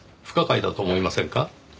不可解だと思いませんか？